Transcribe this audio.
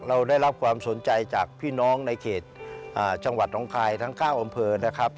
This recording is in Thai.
เราได้รับความสนใจจากพี่น้องในเขตจังหวัดน้องคายทั้ง๙อำเภอนะครับ